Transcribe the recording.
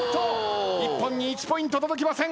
一本に１ポイント届きません。